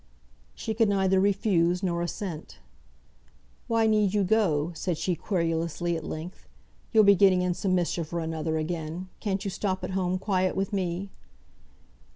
She could neither refuse nor assent. "Why need you go?" said she querulously, at length. "You'll be getting in some mischief or another again. Can't you stop at home quiet with me?"